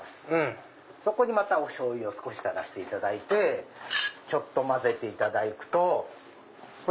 そこにまたおしょうゆを少し垂らしていただいてちょっと混ぜていただくと。